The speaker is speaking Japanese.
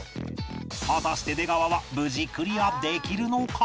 果たして出川は無事クリアできるのか？